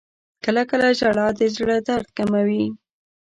• کله کله ژړا د زړه درد کموي.